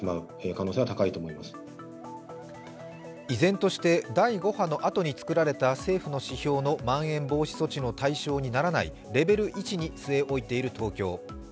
依然として第５波のあとに作られた政府の指標のまん延防止措置の対象にならないレベル１に据え置いている東京。